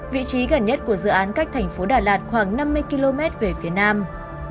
vị trí gần nhất của dự án cách thành phố đà lạt khoảng năm mươi km về phía nam